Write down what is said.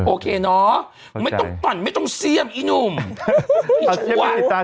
โอเคเนอะไม่ต้องตั่นไม่ต้องเสี้ยงอีหนุ่มอีจัวอ่ะ